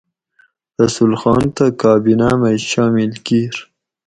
رسول خان تہ کابینہ مئی شامل کیر